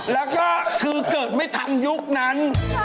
แล้วก็คือเกิดไม่ทันยุคนั้น